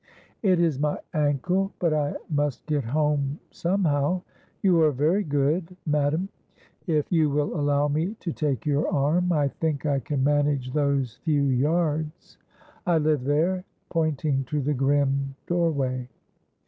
"It is my ankle, but I must get home somehow. You are very good, madam; if you will allow me to take your arm, I think I can manage those few yards. I live there," pointing to the grim doorway.